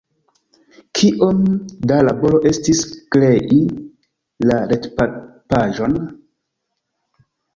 Kiom da laboro estis krei la retpaĝon?